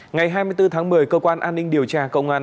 ngày hai mươi bốn tháng một mươi cơ quan an ninh điều tra công an